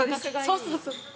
そうそうそう。